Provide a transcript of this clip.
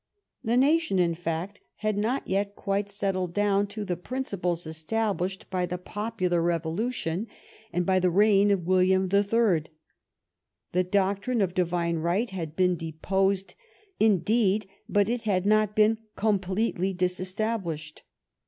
The nation, in fact, had not yet quite settled down to the principles established by the popular revolution and 284 t SACHEVERELL by the reign of William the Third. The doctrine of divine right had been deposed, indeed, but it had not been completely disestablished.